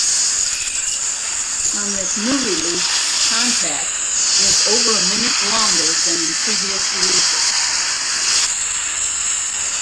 On this new release "Contact" is over a minute longer than in previous releases.